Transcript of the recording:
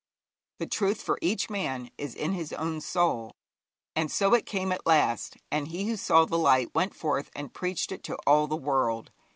The truth for each man is in his own soul. And so it came at last, and he who saw the light went forth and preached it to all the world.